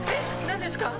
何ですか？